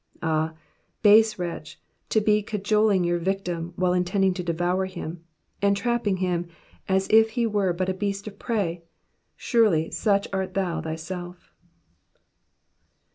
Ah I base wretch, to be cajoling your victim while intending to devour him ! entrapping him as if he were but a beast of prey ; surely, such art thou thyself